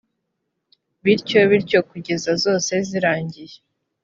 bityo bityo kugeza zose zirangiye